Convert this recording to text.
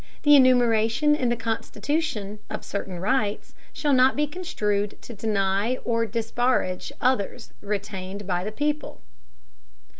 The enumeration in the Constitution, of certain rights, shall not be construed to deny or disparage others retained by the people.